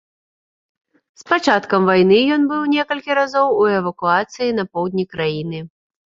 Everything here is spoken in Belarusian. З пачаткам вайны ён быў некалькі разоў у эвакуацыі на поўдні краіны.